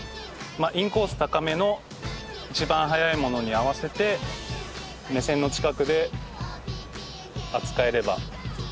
インコース高めの一番速いものに合わせて目線の近くで扱えればいいのかなと思います。